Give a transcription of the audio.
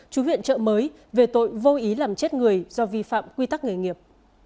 chú huyện chợ mới về tội vô ý làm chết người do vi phạm quy tắc nghề nghiệp